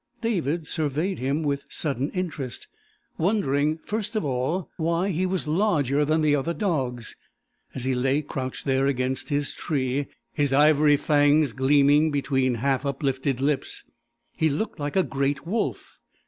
David surveyed him with sudden interest, wondering first of all why he was larger than the other dogs. As he lay crouched there against his tree, his ivory fangs gleaming between half uplifted lips, he looked like a great wolf.